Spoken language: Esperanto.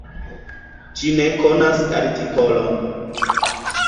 Ĝi ne konas artikolon.